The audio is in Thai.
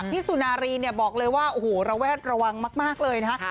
ที่สุนารีบอกเลยว่าระแวดระวังมากเลยนะฮะ